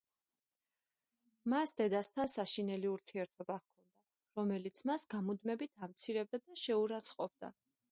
მას დედასთან საშინელი ურთიერთობა ჰქონდა, რომელიც მას გამუდმებით ამცირებდა და შეურაცხყოფდა.